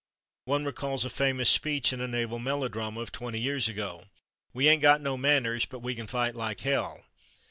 One recalls a famous speech in a naval melodrama of twenty years ago: "We /ain't/ got no manners, but we can fight like hell."